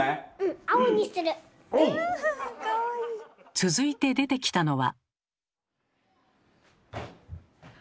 続いて出てきたのは。